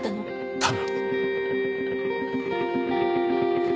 多分。